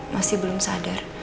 masih belum sadar